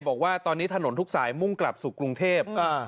บอกว่าตอนนี้ถนนทุกสายมุ่งกลับสู่กรุงเทพ